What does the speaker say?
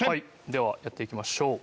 ではやっていきましょう。